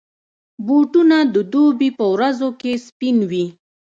بوټونه د دوبي پر ورځو کې سپین وي.